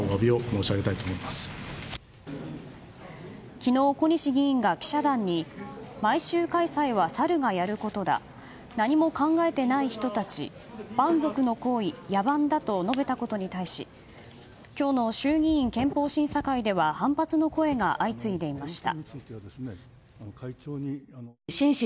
昨日、小西議員が記者団に毎週開催はサルがやることだ何も考えてない人たち蛮族の行為、野蛮だと述べたことに対し今日の衆議院憲法審査会では反発の声が相次いでいました。